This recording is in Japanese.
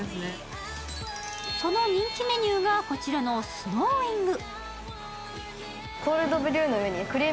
その人気メニューが、こちらのスノーイング。